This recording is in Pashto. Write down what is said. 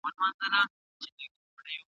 پدې شرط چي يو د بل درناوی وساتي.